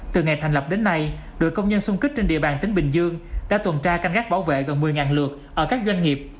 từ ngày thành lập đến nay đội công nhân xung kích trên địa bàn tỉnh bình dương đã tuần tra canh gác bảo vệ gần một mươi lượt ở các doanh nghiệp